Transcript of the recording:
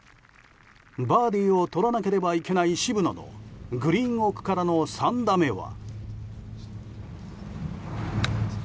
バーディーをとらなければいけない渋野のグリーン奥からの３打目は。